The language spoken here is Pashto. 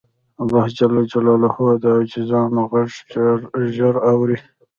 الله د عاجزانو غږ ژر اوري.